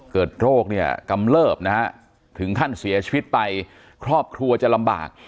เกิดโรคเนี่ยกำเลิบนะฮะถึงขั้นเสียชีวิตไปครอบครัวจะลำบาก